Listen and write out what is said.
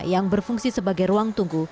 yang berfungsi sebagai ruang tunggu